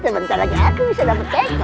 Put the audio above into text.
sebentar lagi aku bisa dapat teko